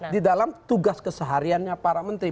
di dalam tugas kesehariannya para menteri